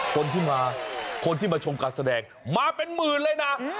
คนที่มาคนที่มาชมการแสดงมาเป็นหมื่นเลยนะ